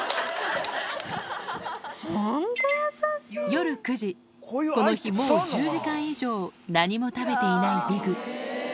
夜９時、この日、もう１０時間以上何も食べていないビグ。